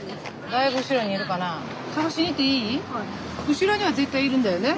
後ろには絶対いるんだよね？